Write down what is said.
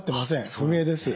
不明です。